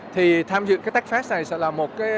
thì tham dự techfest này sẽ là một